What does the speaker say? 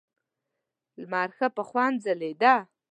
لمر ښه په خوند ځلېده.